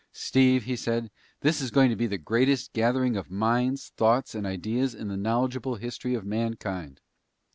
"Steve," he said, "this is going to be the greatest gathering of minds, thoughts, and ideas in the knowledgeable history of mankind!